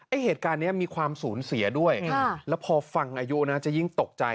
เหตุการณ์นี้มีความสูญเสียด้วยแล้วพอฟังอายุนะจะยิ่งตกใจ